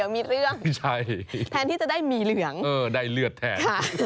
มีเรื่องแทนที่จะได้มีเหลืองเออได้เลือดแทน